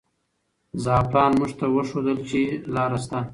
زعفران موږ ته وښودل چې لاره شته.